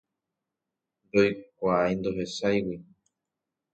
Ndoikuaái ndohecháigui.